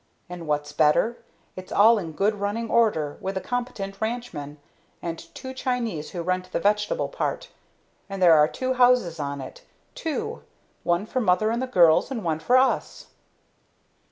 And, what's better, it's all in good running order, with a competent ranchman, and two Chinese who rent the vegetable part. And there are two houses on it two. One for mother and the girls, and one for us!"